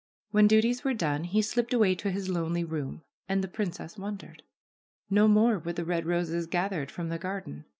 When duties were done he slipped away to his lonely room, and the princess wondered. No more were the red roses gathered from the garden.